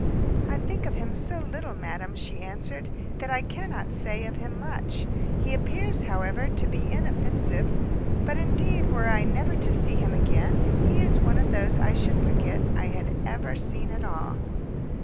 "I think of him so little, madam," she answered, "that I cannot say of him much; he appears, however, to be inoffensive; but, indeed, were I never to see him again, he is one of those I should forget I had ever seen at all."